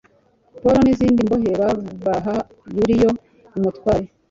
pawulo n izindi mbohe babaha yuliyo umutware